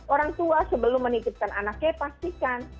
orang tua sebelum menitipkan anaknya pastikan